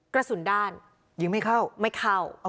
กระสุนด้านยิงไม่เข้าไม่เข้า